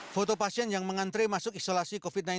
foto pasien yang mengantre masuk isolasi covid sembilan belas